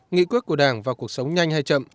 nghị quyết của đảng vào cuộc sống nhanh hay chậm